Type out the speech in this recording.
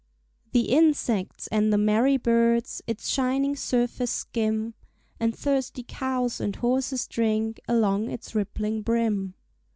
The insects and the merry birds Its shining surface skim; And thirsty cows and horses drink Along its rippling brim.